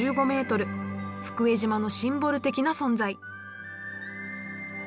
福江島のシンボル的な存在。